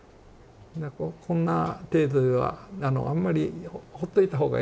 こんな程度ではあんまりほっといた方がええ」と。